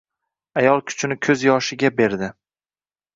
Ayol kuchini ko‘z yoshiga berdi.